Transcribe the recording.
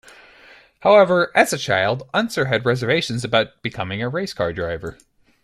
However, as a child, Unser had reservations about becoming a race car driver.